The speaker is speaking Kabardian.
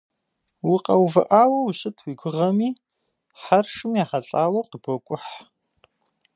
Укъэувыӏауэ ущыт уи гугъэми, хьэршым ехьэлӏауэ къыбокӏухь.